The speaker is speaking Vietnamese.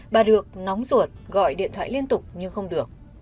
bà được nóng ruột gọi điện thoại liên tục nhưng không được